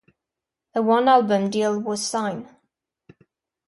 A one-album deal was signed.